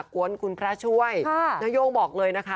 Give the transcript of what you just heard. กวนคุณพระช่วยนโย่งบอกเลยนะคะ